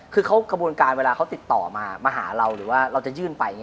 คือผมมีการเวลาเขาติดต่อมามาหาเราหรือว่าเราจะยื่นไป